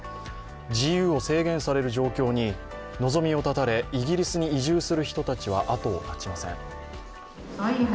自由を制限される状況に望みを絶たれ、イギリスに移住する人たちはあとを絶ちません。